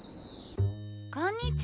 こんにちは！